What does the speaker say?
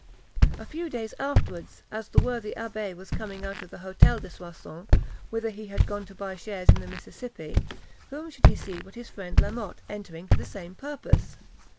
A few days afterwards, as the worthy abbé was coming out of the Hôtel de Soissons, whither he had gone to buy shares in the Mississippi, whom should he see but his friend La Motte entering for the same purpose.